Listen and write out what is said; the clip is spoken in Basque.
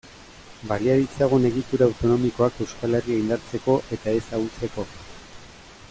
Balia ditzagun egitura autonomikoak Euskal Herria indartzeko eta ez ahultzeko.